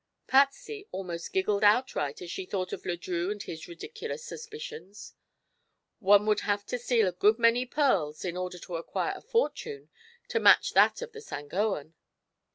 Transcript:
Patsy almost giggled outright as she thought of Le Drieux and his ridiculous suspicions. One would have to steal a good many pearls in order to acquire a fortune to match that of the Sangoan.